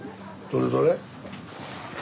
どれどれ？